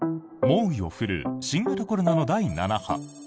猛威を振るう新型コロナの第７波。